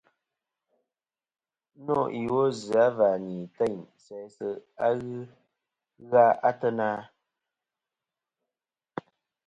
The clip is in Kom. Nô iwo zɨ̀ a va ni teyn sæ zɨ-a ghɨ gha ateyna ?